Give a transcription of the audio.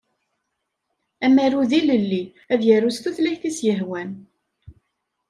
Amaru d ilelli ad yaru s tutlayt i s-yehwan.